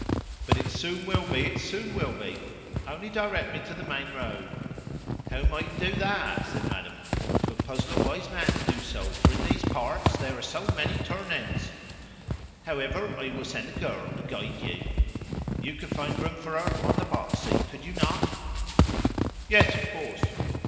"But it soon will be, it soon will be. Only direct me to the main road." "How am I to do that?" said Madame. "'Twould puzzle a wise man to do so, for in these parts there are so many turnings. However, I will send a girl to guide you. You could find room for her on the box seat, could you not?" "Yes, of course."